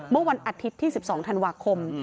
เมื่อวันอาทิตย์ที่๑๒ธันวาคม